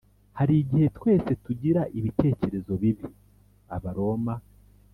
Hari igihe twese tugira ibitekerezo bibi Abaroma